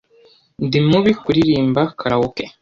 Ndi mubi kuririmba karaoke